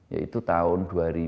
yaitu tahun dua ribu dua